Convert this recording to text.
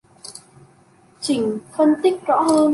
Chỉnh phân tích rõ hơn